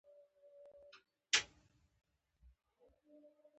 هند ته لاړ او هلته یی یوګا زړه کړه